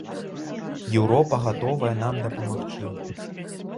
Еўропа гатовая нам дапамагчы.